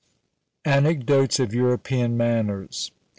ANECDOTES OF EUROPEAN MANNERS.